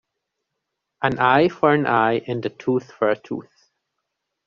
An eye for an eye and a tooth for a tooth.